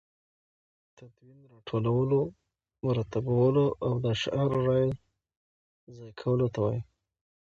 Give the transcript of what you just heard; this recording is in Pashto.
تدوین راټولو، مرتبولو او د اشعارو رايو ځاى کولو ته وايي.